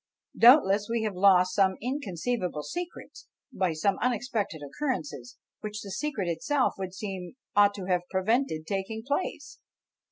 Doubtless we have lost some inconceivable secrets by some unexpected occurrences, which the secret itself it would seem ought to have prevented taking place.